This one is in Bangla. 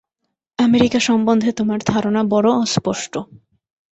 আমেরিকা সম্বন্ধে তোমার ধারণা বড় অস্পষ্ট।